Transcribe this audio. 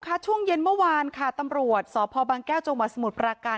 ค่ะช่วงเย็นเมื่อวานค่ะตำรวจสพแก้วจสมุทรปราการ